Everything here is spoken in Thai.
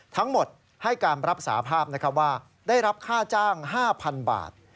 ทั้งหมดให้การรับสาภาพว่าได้รับค่าจ้าง๕๐๐๐บาท